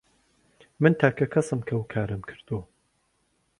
من تاکە کەسم کە ئەو کارەم کردووە.